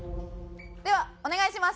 ではお願いします。